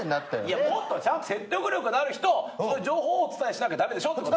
いやもっとちゃんと説得力のある人を情報をお伝えしなきゃ駄目でしょってこと。